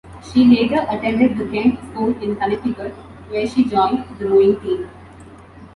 She later attended the Kent School in Connecticut, where she joined the rowing team.